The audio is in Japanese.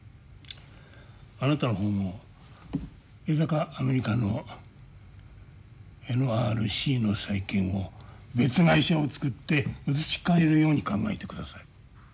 あなたの方も江坂アメリカのＮＲＣの債権を別会社を作って移し替えるように考えてください。